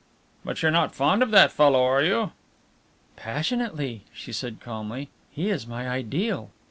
"But you're not fond of that fellow, are you?" "Passionately," she said calmly, "he is my ideal."